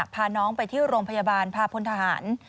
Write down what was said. พาน้องไปที่โรงพยาบาลพาพลทหาร